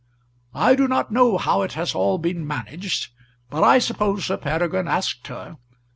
I do not know how it has all been managed, but I suppose Sir Peregrine asked her.